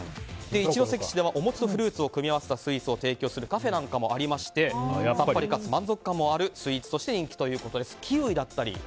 一関市ではお餅とフルーツを組み合わせたスイーツを提供するカフェなんかもありまして、さっぱりかつ満足感もあるスイーツとして人気ということです。